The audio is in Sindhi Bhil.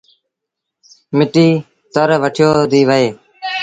مٽيٚ تر وٺيو ديٚ وهي۔